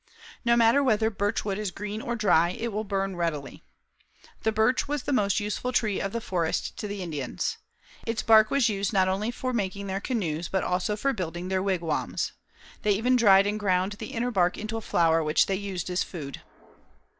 No matter whether birch wood is green or dry, it will burn readily. The birch was the most useful tree of the forest to the Indians. Its bark was used not only for making their canoes, but also for building their wigwams. They even dried and ground the inner bark into a flour which they used as a food.